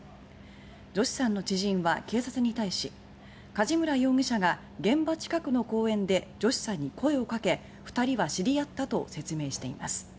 ジョシさんの知人は警察に対し梶村容疑者が現場近くの公園でジョシさんに声をかけ２人は知り合ったと説明しています。